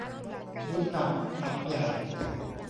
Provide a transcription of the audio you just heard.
บุญหนักศักดิ์ใหญ่